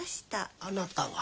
あなたは？